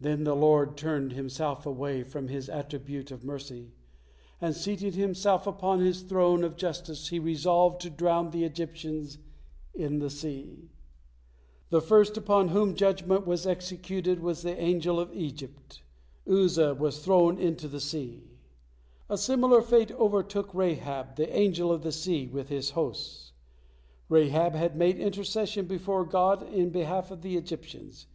Then the Lord turned Himself away from His attribute of mercy, and seating Himself upon His throne of justice He resolved to drown the Egyptians in the sea. The first upon whom judgement was executed was the Angel of Egypt Uzza was thrown into the sea. A similar fate overtook Rahab, the Angel of the Sea, with his hosts. Rahab had made intercession before God in behalf of the Egyptians.